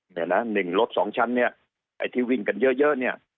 เนี่ยนะหนึ่งรถสองชั้นเนี่ยไอ้ที่วิ่งกันเยอะเนี่ย